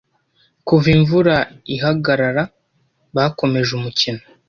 Kuva imvura ihagarara, bakomeje umukino.